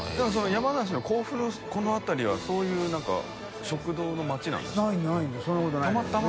山梨の甲府のこの辺りはそういう何か食堂の町なんでしたっけ？